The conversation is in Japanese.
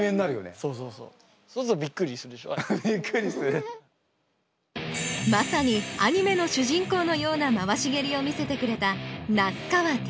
そうするとまさにアニメの主人公のような回し蹴りを見せてくれた那須川天心。